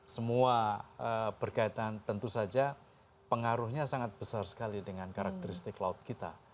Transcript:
semua berkaitan tentu saja pengaruhnya sangat besar sekali dengan karakteristik laut kita